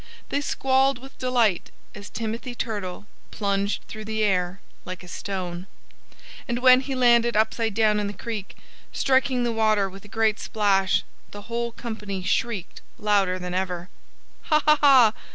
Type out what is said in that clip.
They squalled with delight as Timothy Turtle plunged through the air like a stone. And when he landed upside down in the creek, striking the water with a great splash, the whole company shrieked louder than ever. "_Ha! ha!